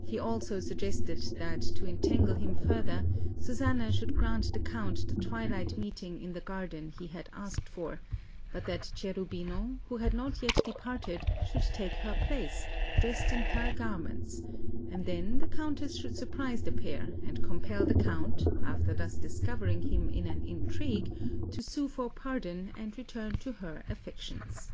He also suggested that, to entangle him further, Susanna should grant the Count the twilight meeting in the garden he had asked for, but that Cherubino, who had not yet departed, should take her place, dressed in her garments; and then the Countess should surprise the pair, and compel the Count, after thus discovering him in an intrigue, to sue for pardon and return to her affections.